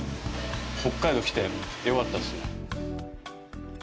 北海道来てよかったっすね。